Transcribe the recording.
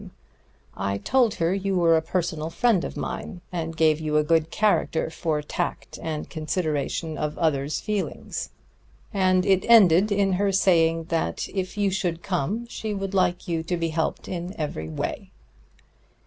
Then I told her you were a personal friend of mine, and gave you a good character for tact and consideration of others' feelings; and it ended in her saying that if you should come, she would like you to be helped in every way."